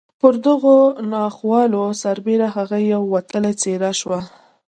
پر دغو ناخوالو سربېره هغه یوه وتلې څېره شوه